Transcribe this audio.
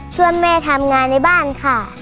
ช่วยแม่ทำงานในบ้านค่ะ